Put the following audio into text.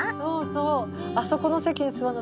そうそう！